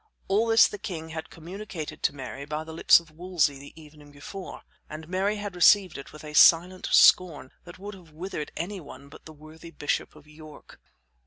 All this the king had communicated to Mary by the lips of Wolsey the evening before, and Mary had received it with a silent scorn that would have withered any one but the worthy bishop of York.